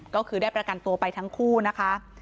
ก็คือได้ประกันตัวไปทั้งคู่นะคะ